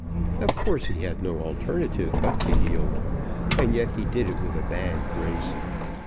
Of course he had no alternative but to yield, and yet he did it with a bad grace.